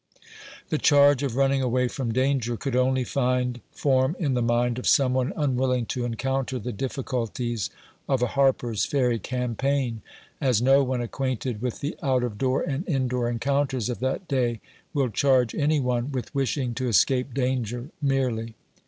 The charge of running away from danger could only find form in the mind of some one unwilling to encounter the dif ficulties of a Harper's Ferry campaign, as no one acquainted with the out of door and in door encounters of that day will charge any one with wishing to escape danger, merely.